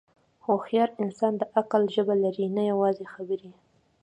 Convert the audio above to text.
هوښیار انسان د عمل ژبه لري، نه یوازې خبرې.